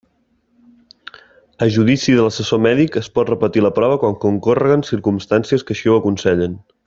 A judici de l'assessor mèdic es pot repetir la prova quan concórreguen circumstàncies que així ho aconsellen.